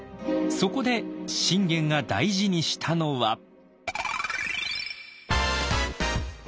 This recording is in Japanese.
そこで信玄が大事にしたのは。